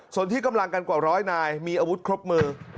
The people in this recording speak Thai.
ส่วนที่กำลังกันกว่าร้อยนายมีอาวุธครบมือ